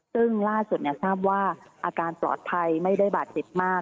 ซึ่งล่าสุดทราบว่าอาการปลอดภัยไม่ได้บาดเจ็บมาก